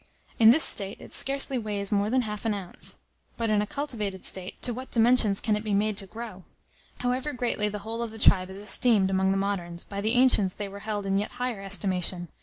In this state, it scarcely weighs more than half an ounce, yet, in a cultivated state, to what dimensions can it be made to grow! However greatly the whole of the tribe is esteemed among the moderns, by the ancients they were held in yet higher estimation.